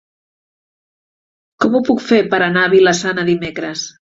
Com ho puc fer per anar a Vila-sana dimecres?